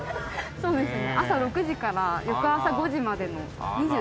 そうですね。